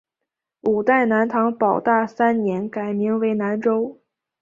五代南唐保大三年改名南州。